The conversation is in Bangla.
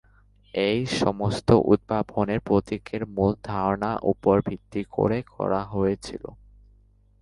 এই সমস্ত উদ্ভাবনের প্রতীকের মূল ধারণা উপর ভিত্তি করে করা হয়েছিল।